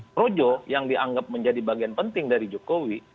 projo yang dianggap menjadi bagian penting dari jokowi